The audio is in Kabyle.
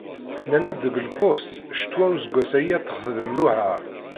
Nnan-d deg lpuṣt ccetwa useggas-ayi ad texdem luheṛ.